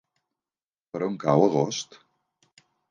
Per on cau Agost?